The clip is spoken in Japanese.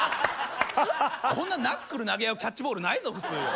こんなナックル投げ合うキャッチボールないぞ普通。